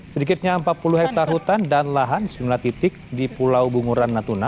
sedikitnya empat puluh hektare hutan dan lahan di sejumlah titik di pulau bunguran natuna